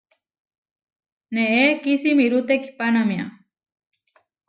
Neé kisimirú tekihpánamia.